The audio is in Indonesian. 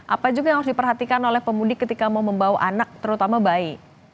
apa juga yang harus diperhatikan oleh pemudik ketika mau membawa anak terutama bayi